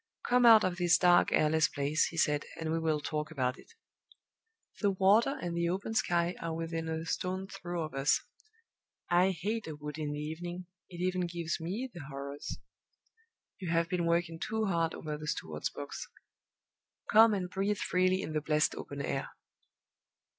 "Come out of this dark, airless place," he said, "and we will talk about it. The water and the open sky are within a stone's throw of us. I hate a wood in the evening; it even gives me the horrors. You have been working too hard over the steward's books. Come and breathe freely in the blessed open air."